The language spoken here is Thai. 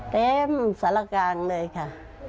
เต็มสารกังเลยค่ะ